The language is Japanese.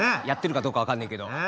やってるかどうか分かんねえけど。